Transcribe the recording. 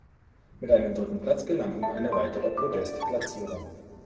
Mit einem dritten Platz gelang ihm eine weitere Podest-Platzierung.